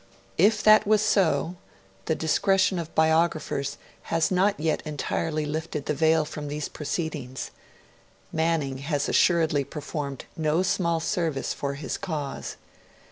If that was so, the discretion of biographers has not yet entirely lifted the veil from these proceedings Manning had assuredly performed no small service for his cause.